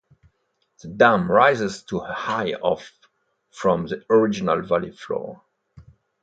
The dam rises to a height of from the original valley floor.